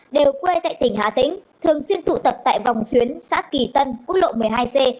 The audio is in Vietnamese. đều quê tại tỉnh hà tĩnh thường xuyên tụ tập tại vòng xuyến xã kỳ tân quốc lộ một mươi hai c